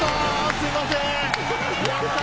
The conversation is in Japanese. すみません。